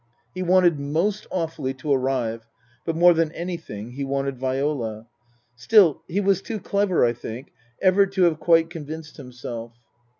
He wanted most awfully to arrive, but more than anything he wanted Viola.) Still, he was too clever, I think, ever to have quite convinced himself.